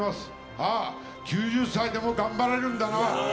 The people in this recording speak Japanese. ああ、９０歳でも頑張れるんだな。